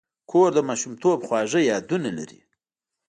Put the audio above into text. کور د ماشومتوب خواږه یادونه لري.